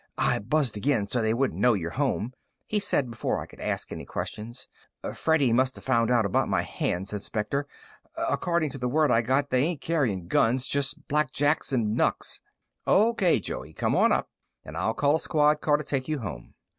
"I buzzed again so they won't know you're home," he said before I could ask any questions. "Freddy must've found out about my hands, Inspector. According to the word I got, they ain't carrying guns just blackjacks and knucks." "O.K., Joey. Come on up, and I'll call a squad car to take you home."